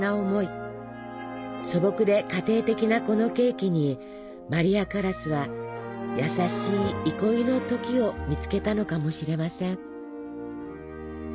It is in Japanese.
素朴で家庭的なこのケーキにマリア・カラスは優しい憩いの時を見つけたのかもしれません。